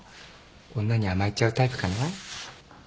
女に甘えちゃうタイプかな？